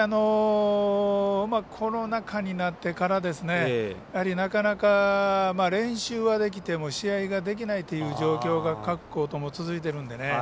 コロナ禍になってからなかなか、練習はできても試合ができないという状況が各校とも続いているので。